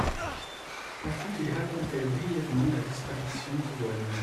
Partout ils racontèrent brièvement la disparition d'Yvonne.